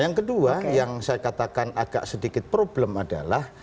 yang kedua yang saya katakan agak sedikit problem adalah